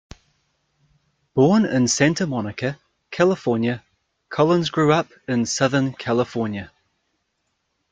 Born in Santa Monica, California, Collins grew up in Southern California.